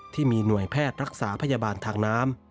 ที่มีหน่วยแพทย์รักษาพยาบาลทางน้ำ